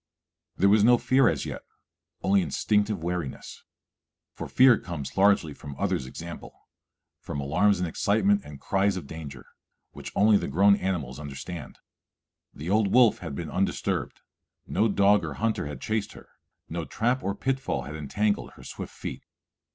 There was no fear as yet, only instinctive wariness; for fear comes largely from others' example, from alarms and excitement and cries of danger, which only the grown animals understand. The old wolf had been undisturbed; no dog or hunter had chased her; no trap or pitfall had entangled her swift feet.